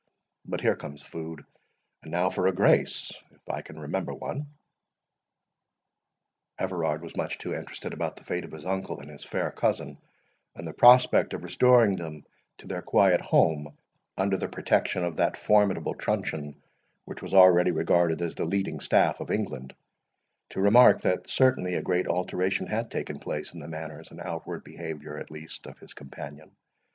But here comes food, and now for a grace, if I can remember one." Everard was too much interested about the fate of his uncle and his fair cousin, and the prospect of restoring them to their quiet home, under the protection of that formidable truncheon which was already regarded as the leading staff of England, to remark, that certainly a great alteration had taken place in the manners and outward behaviour at least of his companion.